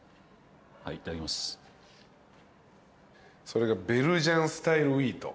それがベルジャンスタイルウィート。